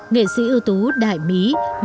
nghệ sĩ ưu tú đại bí